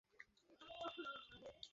তোমার সাথে কথা বলা যাবে?